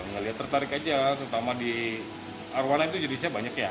ngelihat tertarik aja terutama di arowana itu jenisnya banyak ya